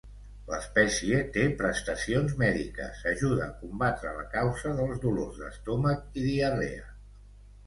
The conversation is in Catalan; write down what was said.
L'espècie té prestacions mèdiques, ajuda a combatre la causa dels dolors d'estómac i diarrea.